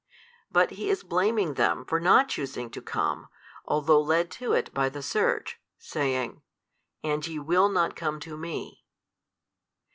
But He is blaming them for not choosing to come, although led to it by the search, saying, And ye will not come to Me.